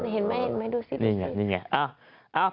เห็นไหมดูสินี่ไงนี่ไง